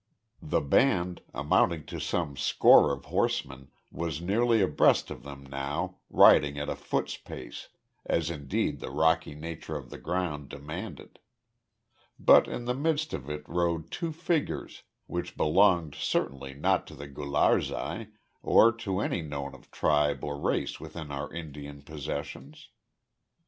The band, amounting to some score of horsemen, was nearly abreast of them now, riding at a foot's pace, as indeed the rocky nature of the ground demanded. But in the midst of it rode two figures which belonged certainly not to the Gularzai, or to any known tribe or race within our Indian possessions.